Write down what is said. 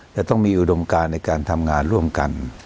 จะต้องมีอุดมการในการทำงานร่วมกัน